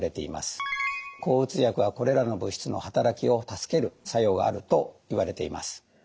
抗うつ薬はこれらの物質の働きを助ける作用があるといわれています。